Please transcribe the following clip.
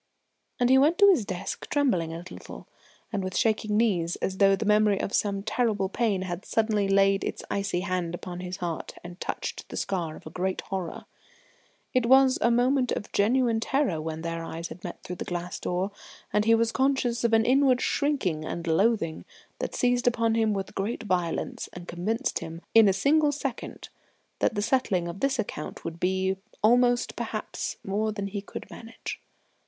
And he went to his desk trembling a little, and with shaking knees, as though the memory of some terrible pain had suddenly laid its icy hand upon his heart and touched the scar of a great horror. It was a moment of genuine terror when their eyes had met through the glass door, and he was conscious of an inward shrinking and loathing that seized upon him with great violence and convinced him in a single second that the settling of this account would be almost, perhaps, more than he could manage.